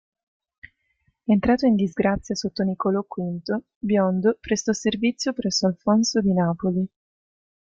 Entrato in disgrazia sotto Niccolò V, Biondo prestò servizio presso Alfonso di Napoli.